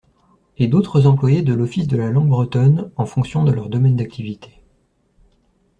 Et d’autres employés de l’Office de la Langue Bretonne, en fonction de leur domaine d’activité.